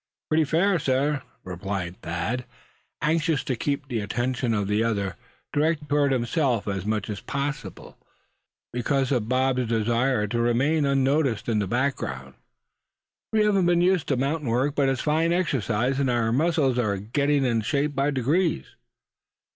"Pretty fairly, sir," replied Thad, anxious to keep the attention of the other directed toward himself as much as possible, because of Bob's desire to remain unnoticed in the background. "We haven't been used to mountain work; but it's fine exercise, and our muscles are getting in shape by degrees."